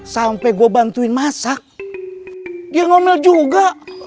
sampai gue bantuin masak dia ngomel juga